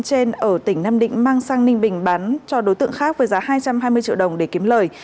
trên ở tỉnh nam định mang sang ninh bình bán cho đối tượng khác với giá hai trăm hai mươi triệu đồng để kiếm lời